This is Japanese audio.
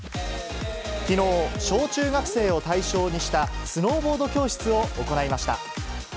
きのう、小中学生を対象にしたスノーボード教室を行いました。